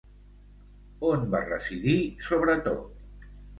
On va residir sobretot?